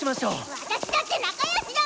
私だって仲良しだもん！